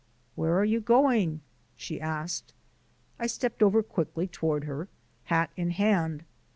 "Where are you going?" she asked. I stepped over quickly toward her, hat in hand.